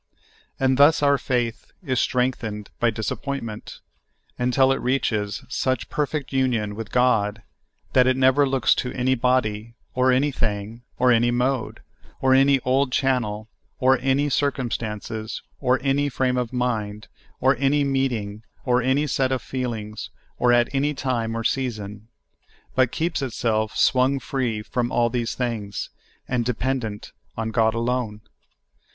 And thus our faith is strengthened by disap pointment, until it reaches such perfect union with God that it never looks to any body, or anj^ thing, or any mode, or an} old channel, or any circumstances, or any frame of mind, or any meeting, or any set of feelings, or at an}' time or season ; but keeps itself swung free from all these things, and dependent on God alone.